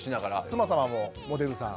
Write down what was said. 妻様もモデルさん。